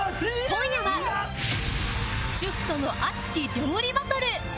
今夜は主婦との熱き料理バトル！